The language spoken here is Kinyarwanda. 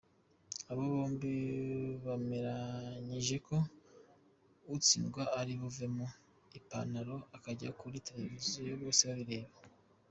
Aba bombi bemeranyije ko utsindwa ari buvanemo ipantaro akajya kuri Televiziyo bose babireba.